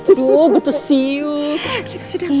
aduh gue terlalu sibuk